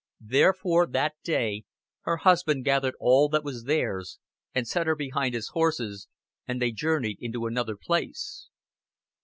"Therefore that day her husband gathered all that was theirs, and set her behind his horses and they journeyed into another place."